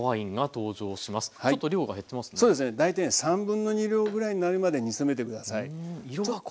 大体2/3量ぐらいになるまで煮詰めて下さい。